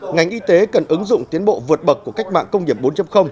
ngành y tế cần ứng dụng tiến bộ vượt bậc của cách mạng công nghiệp bốn